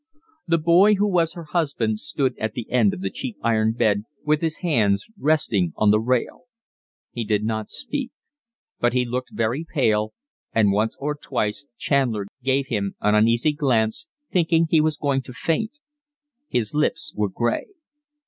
The boy who was her husband stood at the end of the cheap iron bed with his hands resting on the rail; he did not speak; but he looked very pale and once or twice Chandler gave him an uneasy glance, thinking he was going to faint: his lips were gray.